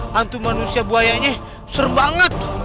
hantu manusia buahnya serem banget